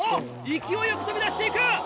勢いよく飛び出していく！